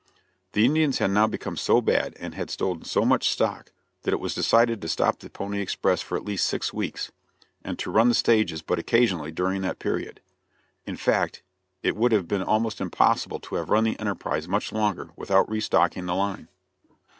The Indians had now become so bad and had stolen so much stock that it was decided to stop the pony express for at least six weeks, and to run the stages but occasionally during that period; in fact, it would have been almost impossible to have run the enterprise much longer without restocking the line.